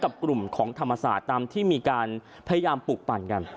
กลุ่มของธรรมศาสตร์ตามที่มีการพยายามปลูกปั่นกัน